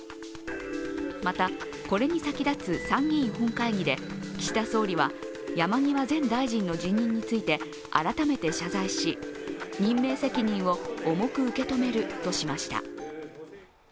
また、これに先立つ参議院本会議で岸田総理は山際前大臣の辞任について改めて謝罪し、任命責任を重く受け止めるとしました。